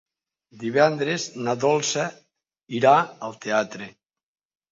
Divendres na Dolça irà al teatre.